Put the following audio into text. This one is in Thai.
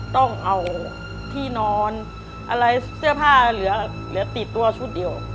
ต้องเอาที่นอนอะไรเสื้อผ้าเหลือติดตัวชุดเดียว